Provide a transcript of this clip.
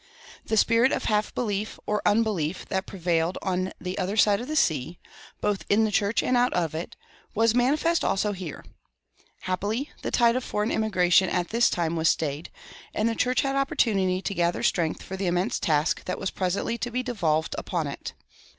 The spirit of half belief or unbelief that prevailed on the other side of the sea, both in the church and out of it, was manifest also here. Happily the tide of foreign immigration at this time was stayed, and the church had opportunity to gather strength for the immense task that was presently to be devolved upon it.